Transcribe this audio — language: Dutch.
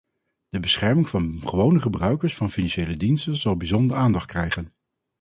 De bescherming van gewone gebruikers van financiële diensten zal bijzondere aandacht krijgen.